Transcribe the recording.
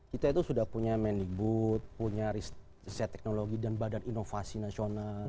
kita itu sudah punya mendikbud punya riset riset teknologi dan badan inovasi nasional